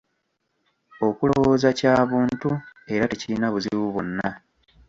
Okulowooza kya buntu era tekirina buzibu bwonna.